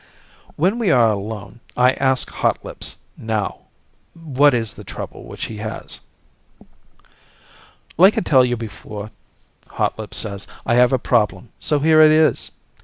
When we are alone, I ask Hotlips, now what is the trouble which he has. "Like I tell you before," Hotlips says, "I have a problem. So here it is."